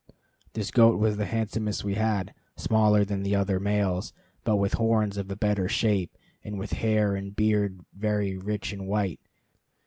This goat was the handsomest we had, smaller than the other males, but with horns of a better shape, and with hair and beard very rich and white.